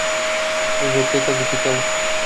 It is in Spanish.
Bibliotecas digitales.